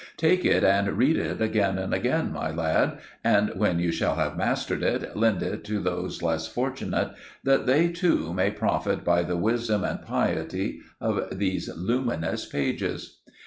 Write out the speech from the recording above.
Take it and read it again and again, my lad; and when you shall have mastered it, lend it to those less fortunate, that they, too, may profit by the wisdom and piety of these luminous pages."